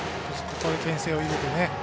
ここでけん制を入れてね。